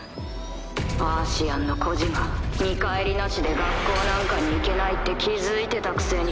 アーシアンの孤児が見返りなしで学校なんかに行けないって気付いてたくせに。